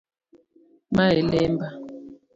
Ma e lemba.